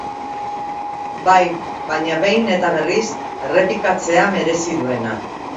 Bai, baina behin eta berriz errepikatzea merezi duena.